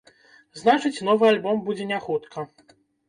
Значыць, новы альбом будзе не хутка.